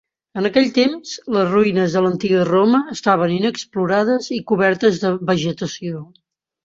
En aquell temps, les ruïnes de l'antiga Roma estaven inexplorades i cobertes de vegetació.